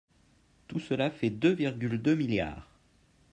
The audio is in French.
Tout cela fait deux virgule deux milliards.